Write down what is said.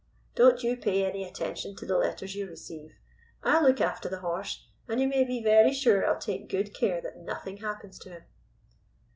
Don't you pay any attention to the letters you receive. I'll look after the horse, and you may be very sure I'll take good care that nothing happens to him."